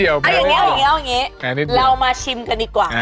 อร่อยจริงออร่อยจริงอ